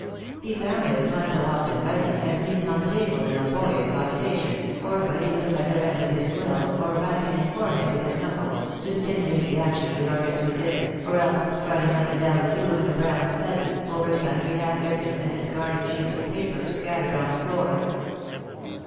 He found him, not so often writing, as leaning on the table in laborious cogitation, or bit ing the. feather end of his quill, or rapping his fore head with his knuckles, to stimulate the action of the organs within, or else striding up and down the room, in a brown study, over sundry half written and dis carded sheets of paper, scattered on the floor.